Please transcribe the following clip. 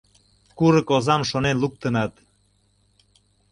Курык озам шонен луктынат...